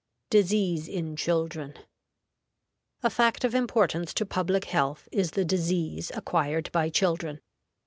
DISEASE IN CHILDREN. A fact of importance to public health is the disease acquired by children.